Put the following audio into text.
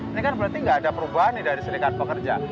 ini kan berarti nggak ada perubahan nih dari serikat pekerja